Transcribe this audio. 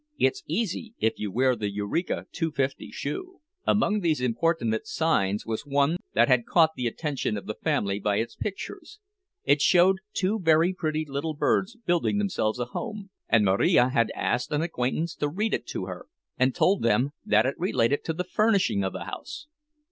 "It's easy, if you wear the Eureka Two fifty Shoe." Among these importunate signs was one that had caught the attention of the family by its pictures. It showed two very pretty little birds building themselves a home; and Marija had asked an acquaintance to read it to her, and told them that it related to the furnishing of a house.